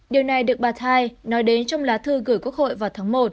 điều này được bà thai nói đến trong lá thư gửi quốc hội vào tháng một